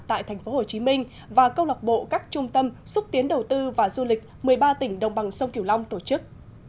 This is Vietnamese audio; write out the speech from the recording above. tại thành phố hồ chí minh và công lọc bộ các trung tâm xúc tiến đầu tư và du lịch một mươi ba tỉnh đồng bằng sông kiều long tổ chức